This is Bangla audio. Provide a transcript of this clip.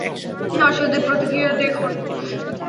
দর্শকদের প্রতিক্রিয়া দেখুন!